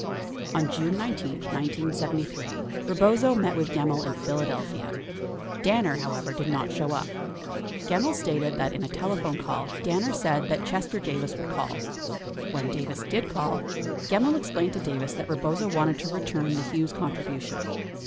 63 On June 19, 1973, Rebozo met with Gemmill in Philadelphia, Dan ner, however, did not show up. Gemmill stated that in a telephone call Danner said that Chester Davis would call. When Davis did call, Gemmill explained to Davis that Rebozo wanted to return the Hughes contribution.